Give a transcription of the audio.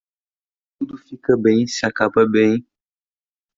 Tudo fica bem se acaba bem.